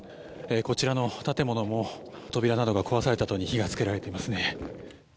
こちらの建物も扉などが壊された後に火がつけられていますね。